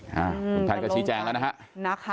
คุณพันธ์ก็ชี้แจงแล้วนะครับ